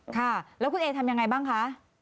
ค่ะแล้วคุณเอทำยังไงบ้างคะ